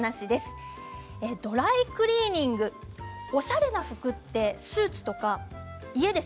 ドライクリーニングおしゃれな服ってスーツとか家で